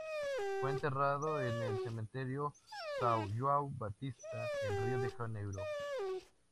Fue enterrado en el cementerio São João Batista, en Río de Janeiro.